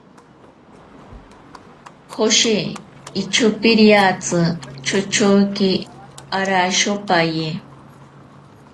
Joshe ichopiriatsi chochoke arashopaye.